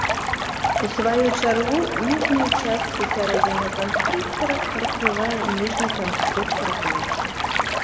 У сваю чаргу, ніжнюю частку сярэдняга канстрыктара прыкрывае ніжні канстрыктар глоткі.